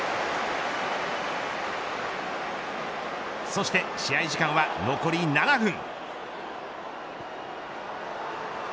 そして試合時間は残り７分。